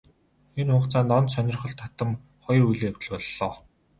Энэ хугацаанд онц сонирхол татам хоёр үйл явдал боллоо.